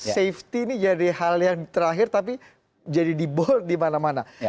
safety ini jadi hal yang terakhir tapi jadi diboleh di mana mana